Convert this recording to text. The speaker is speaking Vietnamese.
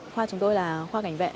khoa chúng tôi là khoa cảnh vệ